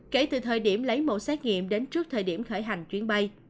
kể từ thời điểm lấy mẫu xét nghiệm đến trước thời điểm khởi hành chuyến bay